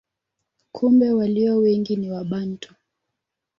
Kumbe walio wengi ni Wabantu.